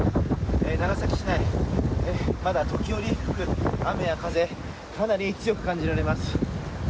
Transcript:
長崎市内まだ時折雨や風かなり強く感じられます。